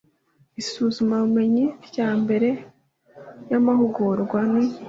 isuzumabumenyi rya mbere y amahugurwa n